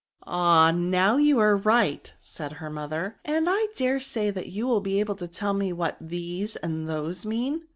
Ah! now you are right," said her mother, " and I dare say you will be able to teU me what these and th)se mean